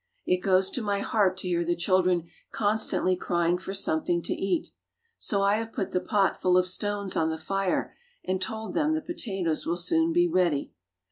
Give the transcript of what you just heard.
It goes to my heart 135 Fairy Tale Bears to hear the children constantly crying for something to eat. So I have put the pot full of stones on the fire and told them the pota toes will soon be ready.